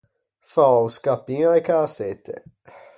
Fâ o scappin a-e cäsette.